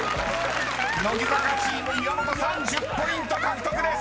［乃木坂チーム岩本さん１０ポイント獲得です］